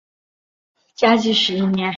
嘉靖十一年壬辰科进士。